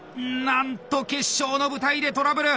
なんと決勝の舞台でトラブル！